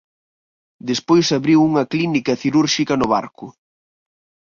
Despois abriu unha clínica cirúrxica no Barco.